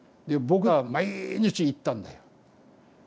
で僕は毎日行ったんだよ。